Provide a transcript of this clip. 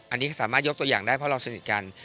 อันนี้ก็สามารถยกตัวอย่างได้เพราะเราสนิทกัน